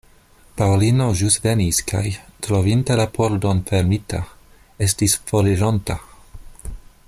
Paŭlino ĵus venis kaj, trovinte la pordon fermita, estis forironta.